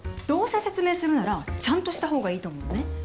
どうせ説明するならちゃんとしたほうがいいと思うのね。